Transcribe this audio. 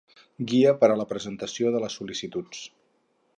Guia per a la presentació de les sol·licituds.